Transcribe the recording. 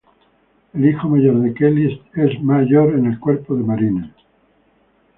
El hijo mayor de Kelly es mayor en el Cuerpo de Marines.